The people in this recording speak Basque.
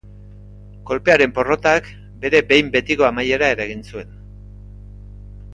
Kolpearen porrotak bere behin betiko amaiera eragin zuen.